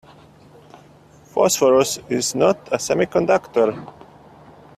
Phosphorus is not a semiconductor.